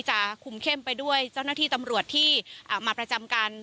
จะคุมเข้มไปด้วยเจ้าหน้าที่ตำรวจที่มาประจำกัน